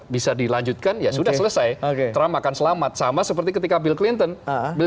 bisa dilanjutkan ya sudah selesai oke ramahkan selamat sama seperti ketika bill clinton bill